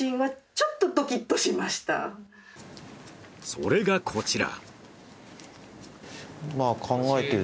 それが、こちら。